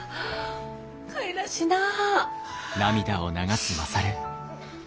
かいらしなぁ。